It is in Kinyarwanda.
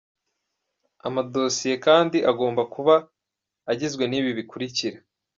Amadosiye kandi agomba kuba agizwe n’ibi bikurikira :.